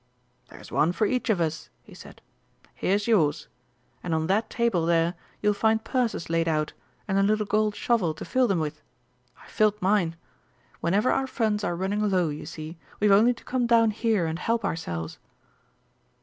"There's one for each of us," he said. "Here's yours. And on that table there you'll find purses laid out, and a little gold shovel to fill them with. I've filled mine. Whenever our funds are running low, you see, we've only to come down here and help ourselves."